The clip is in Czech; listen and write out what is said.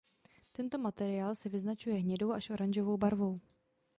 Tento materiál se vyznačuje hnědou až oranžovou barvou.